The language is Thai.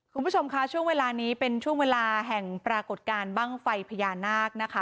คุณผู้ชมคะช่วงเวลานี้เป็นช่วงเวลาแห่งปรากฏการณ์บ้างไฟพญานาคนะคะ